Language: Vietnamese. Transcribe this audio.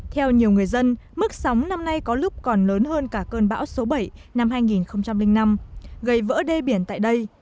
theo nhiều người dân mức sống năm nay có lúc còn lớn hơn cả cơn bão số bảy năm hai nghìn năm gây vỡ đê biển tại đây